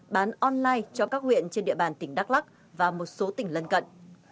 bán online cho các huyện trên địa bàn tỉnh đắk lắc và một số tỉnh lân cận